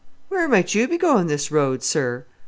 "Where might you be going this road, sir?"